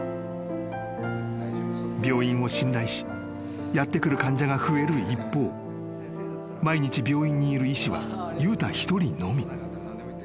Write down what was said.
［病院を信頼しやって来る患者が増える一方毎日病院にいる医師は悠太一人のみ］